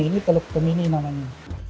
ini teluk pemini namanya